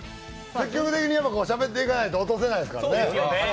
積極的にしゃべっていかないと落とせないですからね。